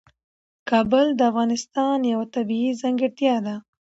کابل د افغانستان یوه طبیعي ځانګړتیا ده.